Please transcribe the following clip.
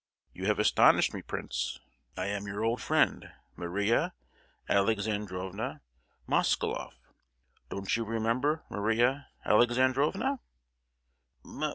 You have astonished me, prince. I am your old friend, Maria Alexandrovna Moskaloff. Don't you remember Maria Alexandrovna?"